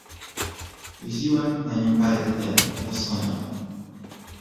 "Jeździłem na nim parę dni temu... doskonały."